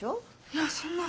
いやそんな！